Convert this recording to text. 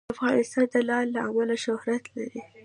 افغانستان د لعل له امله شهرت لري.